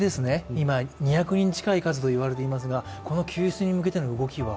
今、２００万人近いといわれていますがこの救出に向けての動きは？